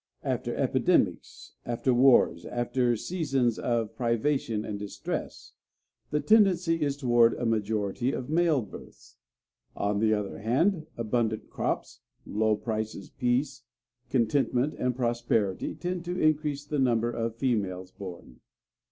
After epidemics, after wars, after seasons of privation and distress, the tendency is toward a majority of male births. On the other hand, abundant crops, low prices, peace, contentment and prosperity tend to increase the number of females born.